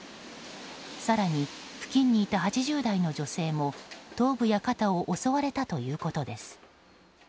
更に付近にいた８０代の女性も頭部や肩を襲われたということです。